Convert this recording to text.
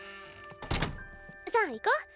さあいこう。